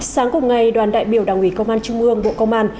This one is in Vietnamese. sáng cùng ngày đoàn đại biểu đảng ủy công an trung ương bộ công an